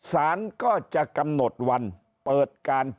ทั้งสองฝ่ายได้ชี้แจงข้อเท็จจริงสารก็จะกำหนดวันเปิดการพิจารณาคดี